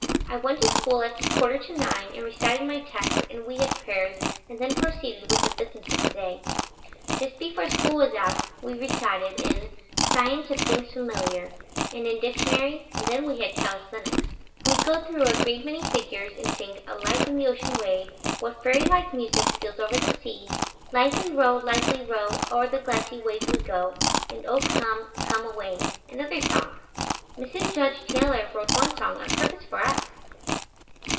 I went to school at quarter to nine and recited my text and we had prayers and then proceeded with the business of the day. Just before school was out, we recited in "Science of Things Familiar," and in Dictionary, and then we had calisthenics. We go through a great many figures and sing "A Life on the Ocean Wave," "What Fairy like Music Steals Over the Sea," "Lightly Row, Lightly Row, O'er the Glassy Waves We Go," and "O Come, Come Away," and other songs. Mrs. Judge Taylor wrote one song on purpose for us.